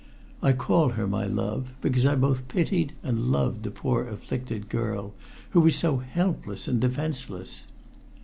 I call her my love because I both pitied and loved the poor afflicted girl who was so helpless and defenseless.